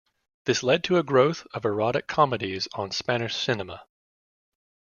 This led to a growth of erotic comedies on Spanish cinema.